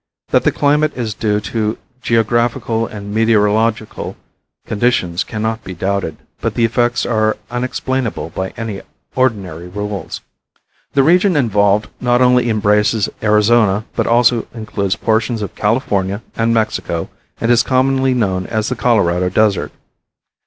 That the climate is due to geographical and meteorological conditions cannot be doubted, but the effects are unexplainable by any ordinary rules. The region involved not only embraces Arizona, but also includes portions of California and Mexico and is commonly known as the Colorado Desert.